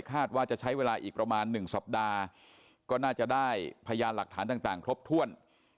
คาดว่าจะใช้เวลาอีกประมาณ๑สัปดาห์ก็น่าจะได้พยานหลักฐานต่างครบถ้วน